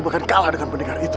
bahkan kalah dengan pendengar itu